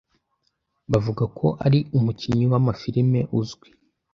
Bavuga ko ari umukinnyi w'amafirime uzwi.